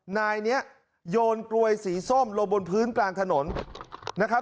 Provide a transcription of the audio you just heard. นายนี้โยนกลวยสีส้มลงบนพื้นกลางถนนนะครับ